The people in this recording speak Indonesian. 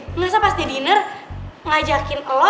nggak usah pas dia diner ngajakin lo